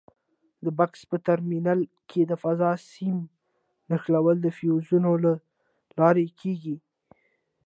د بکس په ترمینل کې د فاز سیم نښلول د فیوزونو له لارې کېږي.